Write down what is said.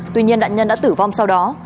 tuy nhiên nạn nhân đã tử vong sau đó